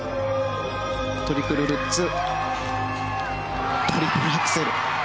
トリプルルッツトリプルアクセル。